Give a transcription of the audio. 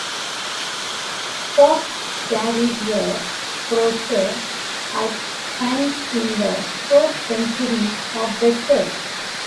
Popes carried a crosier at times in the first centuries of the church.